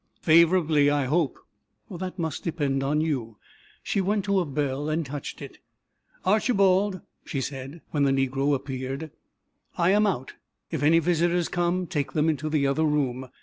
"Favorably, I hope." "That must depend on you." She went to a bell and touched it. "Archibald," she said, when the negro appeared, "I am out. If any visitors come take them into the other room.